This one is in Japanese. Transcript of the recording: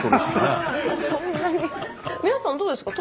皆さんどうですか？